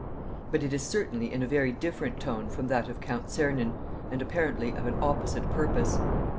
But it is certainly in a very different tone from that of Count Czernin and apparently of an opposite purpose.